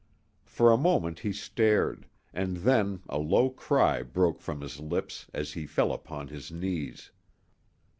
For a moment he stared, and then a low cry broke from his lips as he fell upon his knees.